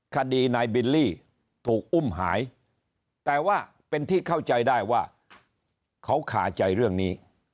คดีนายบิลลี่ถูกอุ้มหายแต่ว่าเป็นที่เข้าใจได้ว่าเขาขาใจเรื่องนี้